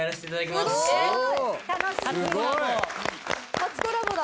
初コラボだ。